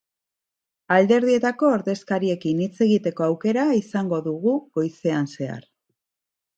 Alderdietako ordezkariekin hitz egiteko aukera izango dugu goizean zehar.